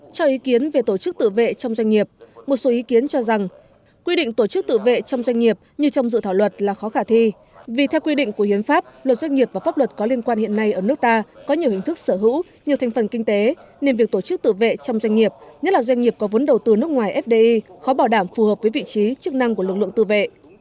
cho ý kiến về tổ chức tự vệ trong doanh nghiệp một số ý kiến cho rằng quy định tổ chức tự vệ trong doanh nghiệp như trong dự thảo luật là khó khả thi vì theo quy định của hiến pháp luật doanh nghiệp và pháp luật có liên quan hiện nay ở nước ta có nhiều hình thức sở hữu nhiều thành phần kinh tế nên việc tổ chức tự vệ trong doanh nghiệp nhất là doanh nghiệp có vốn đầu tư nước ngoài fdi khó bảo đảm phù hợp với vị trí chức năng của lực lượng tự vệ